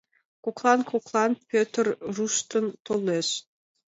Коклан-коклан Пӧтыр руштын толеш.